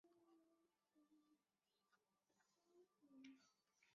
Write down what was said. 他现在效力于英超球队沃特福德足球俱乐部。